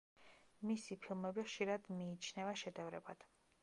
მისი ფილმები ხშირად მიიჩნევა შედევრებად.